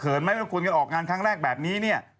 ไหมว่าคุณก็ออกงานครั้งแรกแบบนี้เนี่ย